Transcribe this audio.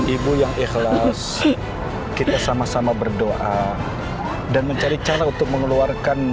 ibu yang ikhlas kita sama sama berdoa dan mencari cara untuk mengeluarkan